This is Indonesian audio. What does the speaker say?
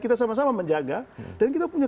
kita sama sama menjaga dan kita punya